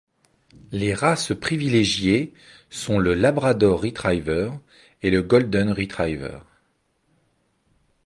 Les races privilégiées sont le labrador retriever et golden retriever.